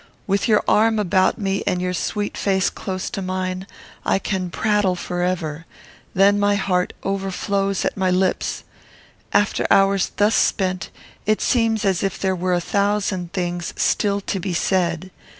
With your arm about me, and your sweet face close to mine, I can prattle forever. Then my heart overflows at my lips. After hours thus spent, it seems as if there were a thousand things still to be said.